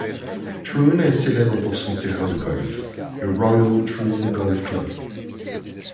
Troon est célèbre pour son terrain de golf, le Royal Troon Golf Club.